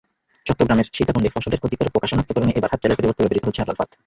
চট্টগ্রামের সীতাকুণ্ডে ফসলের ক্ষতিকর পোকা শনাক্তকরণে এবার হাতজালের পরিবর্তে ব্যবহৃত হচ্ছে আলোর ফাঁদ।